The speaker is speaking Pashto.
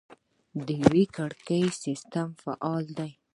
د یوه کړکۍ سیستم فعال دی؟